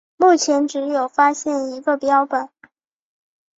目前只有发现一个标本。